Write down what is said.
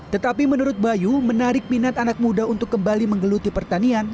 tetapi menurut bayu menarik minat anak muda untuk kembali menggeluti pertanian